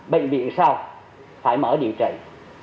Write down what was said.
bệnh viện sau phải mở điều trị